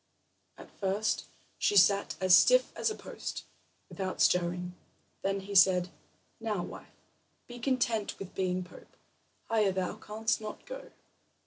At first she sat as stiff as a post, without stirring. Then he said: "Now, wife, be content with being pope; higher thou canst not go."